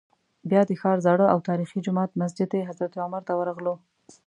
بیا د ښار زاړه او تاریخي جومات مسجد حضرت عمر ته ورغلو.